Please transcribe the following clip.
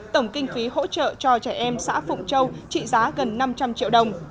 tổng kinh phí hỗ trợ cho trẻ em xã phụng châu trị giá gần năm trăm linh triệu đồng